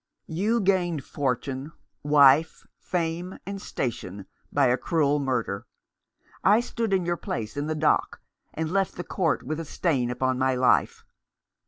"You gained fortune — wife, fame, and station — by a cruel murder. I stood in your place in the dock, and left the court with a stain upon my life.